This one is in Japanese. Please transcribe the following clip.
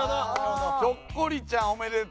「ひょっこりちゃんおめでとう」とか。